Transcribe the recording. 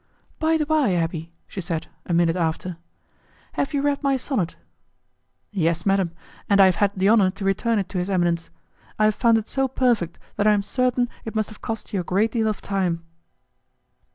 "By the by, abbé," she said, a minute after, "have you read my sonnet?" "Yes, madam, and I have had the honour to return it to his eminence. I have found it so perfect that I am certain it must have cost you a great deal of time."